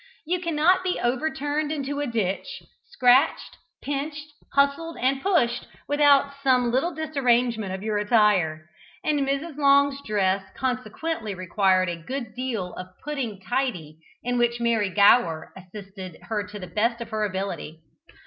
You cannot be overturned into a ditch, scratched, pinched, hustled, and pushed, without some little disarrangement of your attire, and Mrs. Long's dress consequently required a good deal of "putting tidy," in which Mary Gower assisted her to the best of her ability.